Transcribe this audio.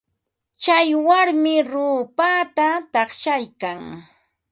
Tsay warmi ruupata taqshaykan.